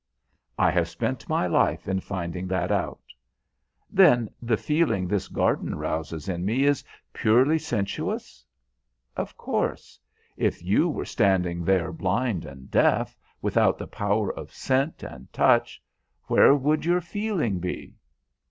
"I have spent my life in finding that out." "Then the feeling this garden rouses in me is purely sensuous?" "Of course. If you were standing there blind and deaf, without the powers of scent and touch, where would your feeling be?"